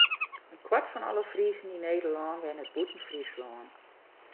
In kwart fan alle Friezen yn Nederlân wennet bûten Fryslân.